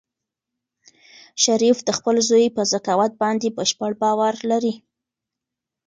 شریف د خپل زوی په ذکاوت باندې بشپړ باور لري.